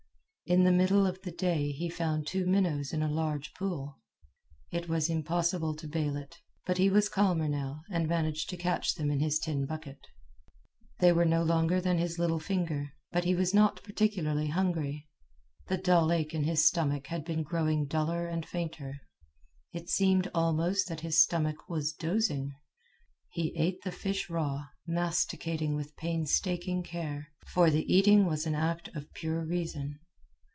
In the middle of the day he found two minnows in a large pool. It was impossible to bale it, but he was calmer now and managed to catch them in his tin bucket. They were no longer than his little finger, but he was not particularly hungry. The dull ache in his stomach had been growing duller and fainter. It seemed almost that his stomach was dozing. He ate the fish raw, masticating with painstaking care, for the eating was an act of pure reason.